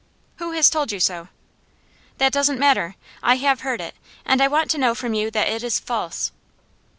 'Who has told you so?' 'That doesn't matter. I have heard it, and I want to know from you that it is false.